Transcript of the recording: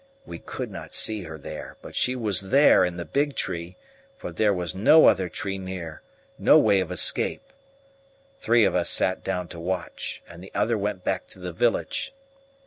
We could not see her there, but she was there in the big tree, for there was no other tree near no way of escape. Three of us sat down to watch, and the other went back to the village.